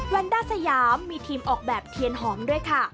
วันด้าสยามมีทีมออกแบบเทียนหอมด้วยค่ะ